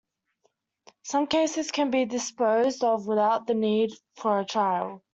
Some cases can be disposed of without the need for a trial.